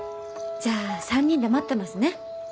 じゃあ３人で待ってますね。